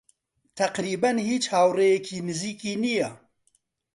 تەقریبەن هیچ هاوڕێیەکی نزیکی نییە.